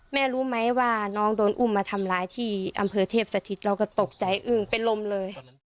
แม่รู้ไหมว่าน้องโดนอุ้มมาทำร้ายที่อำเภอเทพสถิตเราก็ตกใจอึ้งเป็นลมเลย